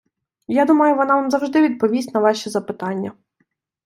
Я думаю, вона вам завжди відповість на ваші запитання!